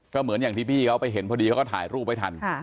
ก็เหมือนที่ที่พี่เขาไปเห็นตอนนี้เพราะท่ายรูปไม่ทัน